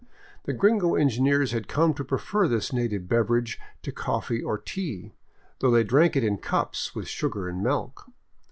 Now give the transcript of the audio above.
The gringo en gineers had come to prefer this native beverage to coffee or tea, though they drank it in cups, with sugar and milk.